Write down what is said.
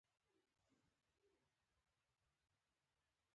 هغې خپل عمر تا له دروبخل.